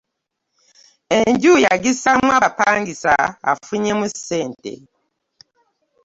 Enju yagissaamu abapangisa afunyemu ssente.